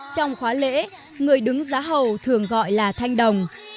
trong khóa lễ người đứng giá hầu thường gọi là thanh đồng